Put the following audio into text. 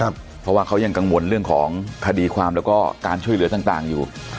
เพราะว่าเขายังกังวลเรื่องของคดีความแล้วก็การช่วยเหลือต่างอยู่